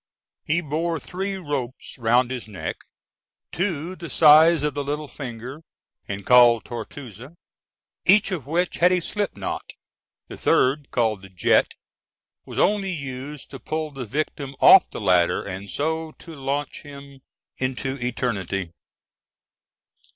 He bore three ropes round his neck; two the size of the little finger, and called tortouses, each of which had a slip knot; the third, called the jet, was only used to pull the victim off the ladder, and so to launch him into eternity (Fig.